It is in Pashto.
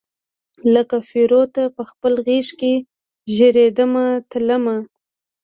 لکه پیروته پخپل غیږ کې ژریدمه تلمه